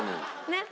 ねっ？